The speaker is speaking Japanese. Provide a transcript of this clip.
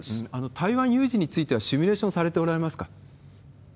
台湾有事についてはシミュレーションされておられますか？